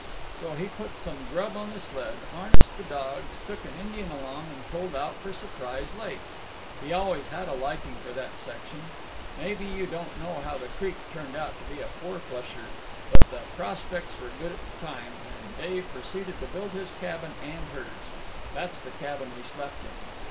So he put some grub on the sled, harnessed the dogs, took an Indian along, and pulled out for Surprise Lake. He always had a liking for that section. Maybe you don't know how the creek turned out to be a four flusher; but the prospects were good at the time, and Dave proceeded to build his cabin and hers. That's the cabin we slept in.